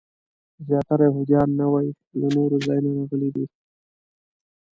زیاتره یهودیان نوي له نورو ځایونو راغلي دي.